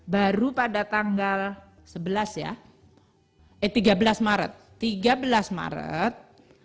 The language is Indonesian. baru pada tanggal tiga belas maret